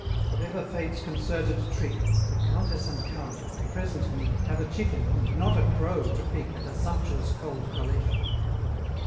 Whatever Fate's concerted trick, The Countess and Count, at the present nick, Have a chicken, and not a crow, to pick At a sumptuous Cold Collation.